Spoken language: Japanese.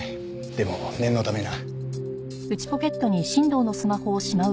でも念のためな。